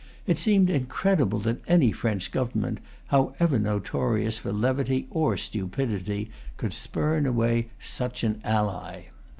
It seemed incredible that any French government, however notorious for levity or stupidity, could spurn away such an ally.